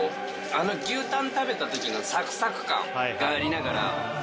あの牛タン食べた時のサクサク感がありながら。